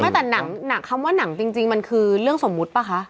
แต่หนังคำว่าหนังจริงมันคือเรื่องสมมุติป่ะคะ